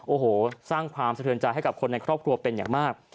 โอ้โหสร้างความสะเทือนใจให้กับคนในครอบครัวเป็นอย่างมาก